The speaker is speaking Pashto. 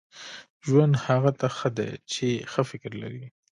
• ژوند هغه ته ښه دی چې ښه فکر لري.